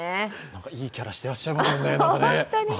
いいキャラしてらっしゃいますよね。